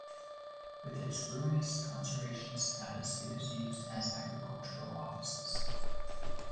With its ruinous conservation status, it is used as agriculture offices.